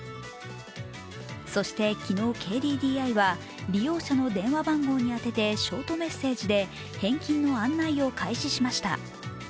そして昨日、ＫＤＤＩは利用者の電話番号に宛ててショートメッセージで返金の案内を開始しました。